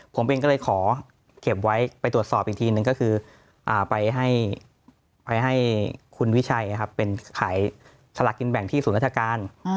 ผมเองก็เลยขอเก็บไว้ไปตรวจสอบอีกทีนึงก็คือไปให้คุณวิชัยเป็นขายสลากกินแบ่งที่ศูนย์ราชการ